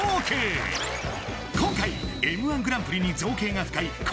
今回Ｍ−１グランプリに造詣が深い